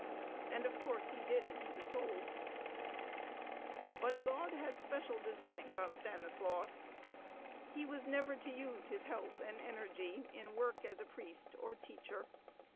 And, of course, he did as he was told. But God had special designs on Stanislaus. He was never to use his health and energy in work as a priest or teacher.